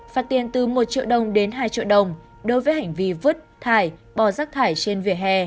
phạt tiền từ một triệu đồng đến hai triệu đồng đối với hành vi vứt thải bỏ rác thải trên vỉa hè